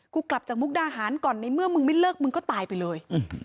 กลับจากมุกดาหารก่อนในเมื่อมึงไม่เลิกมึงก็ตายไปเลย